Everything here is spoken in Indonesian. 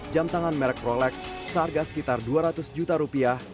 jam tangan merek prolex seharga sekitar dua ratus juta rupiah